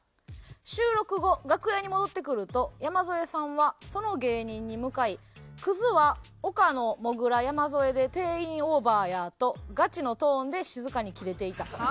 収録後楽屋に戻ってくると山添さんはその芸人に向かい「クズは岡野もぐら山添で定員オーバーや」とガチのトーンで静かにキレていた。